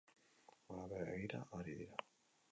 Gora begira ari dira.